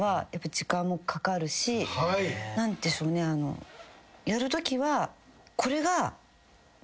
何でしょうねやるときは。